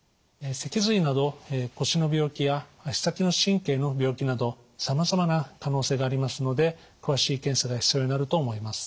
脊髄など腰の病気や足先の神経の病気などさまざまな可能性がありますので詳しい検査が必要になると思います。